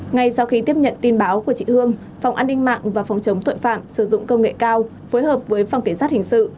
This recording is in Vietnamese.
ngay sau khi tiếp nhận tin báo của chị hương phòng an ninh mạng và phòng chống tội phạm sử dụng công nghệ cao phối hợp với phòng cảnh sát hình sự